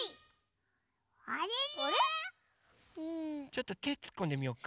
ちょっとてつっこんでみようか。